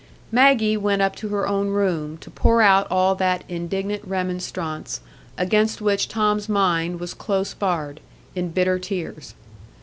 Maggie went up to her own room to pour out all that indignant remonstrance, against which Tom's mind was close barred, in bitter tears.